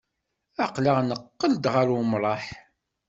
Aql-aɣ neqqel-d ɣer umṛaḥ.